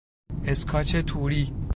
اسکاچ توری